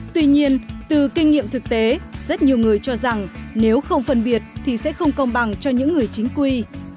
tuy nhiên từ kinh nghiệm thực tế rất nhiều người cho rằng nếu không phân biệt thì sẽ không công bằng cho những người chính quy